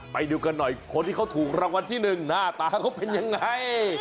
ไปดูกันหน่อยคนที่เขาถูกรางวัลที่๑หน้าตาเขาเป็นยังไง